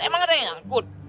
emang ada yang nyangkut